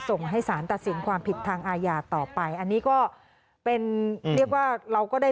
ถามหน่อยเรื่องสามีปัจจุบันเป็นอย่างไร